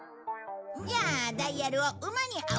じゃあダイヤルを馬に合わせて。